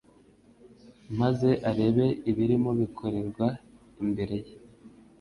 maze areba ibirimo bikorerwa imbere ye.